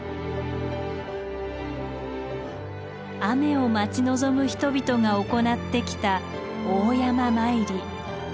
雨を待ち望む人々が行ってきた大山詣り。